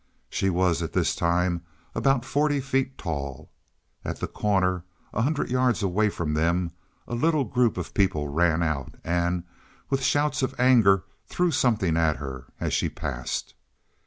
She was at this time about forty feet tall. At the corner, a hundred yards away from them a little group of people ran out, and, with shouts of anger, threw something at her as she passed.